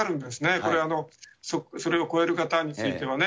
これ、それを超える方についてはね。